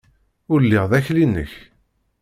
Ur lliɣ d akli-nnek!